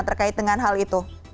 terkait dengan hal itu